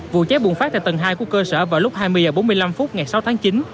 vụ cháy bùng phát tại tầng hai của cơ sở vào lúc hai mươi h bốn mươi năm phút ngày sáu tháng chín